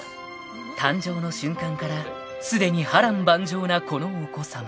［誕生の瞬間からすでに波瀾万丈なこのお子さま］